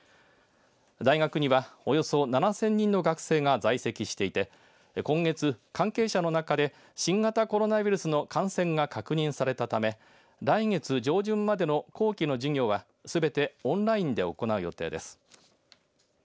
大学にはおよそ７０００人の学生が在籍していて今月、関係者の中で新型コロナウイルスの感染が確認されたため来月上旬までの後期の授業はすべてオンラインで行う予定です。